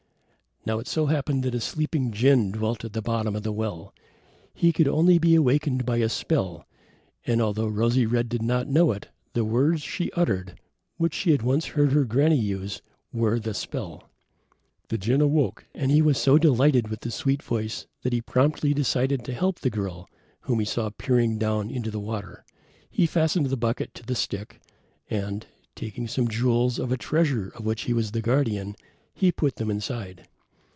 Now it so happened that a sleeping jinn dwelt at the bottom of the well. He could only be awakened by a spell, and although Rosy red did not know it, the words she uttered, which she had once heard her granny use, were the spell. The jinn awoke, and he was so delighted with the sweet voice that he promptly decided to help the girl whom he saw peering down into the water. He fastened the bucket to the stick and, taking some jewels from a treasure of which he was the guardian, he put them inside.